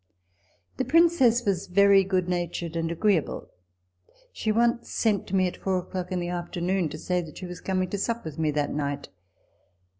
The Princess was very good natured and agree able. She once sent to me at four o'clock in the afternoon, to say that she was coming to sup with me that night.